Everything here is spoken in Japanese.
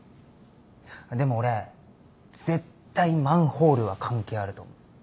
でも俺絶対マンホールは関係あると思う。